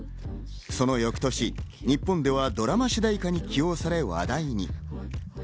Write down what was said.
その翌年、日本ではドラマ主題歌に起用され話題に。